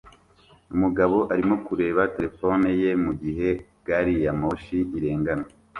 Umugabo arimo kureba terefone ye mugihe gari ya moshi irengana